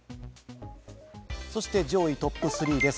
そして上位トップ３です。